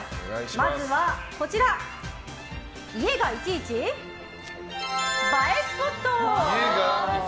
まずは家がいちいち映えスポット。